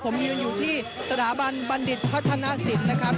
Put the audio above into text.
ผมยืนอยู่ที่สถาบันบัณฑิตพัฒนศิลป์นะครับ